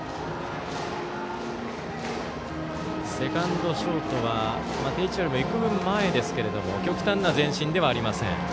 セカンド、ショートは定位置よりも幾分前ですけれども極端な前進ではありません。